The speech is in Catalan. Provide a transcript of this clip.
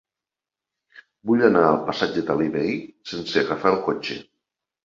Vull anar al passatge d'Alí Bei sense agafar el cotxe.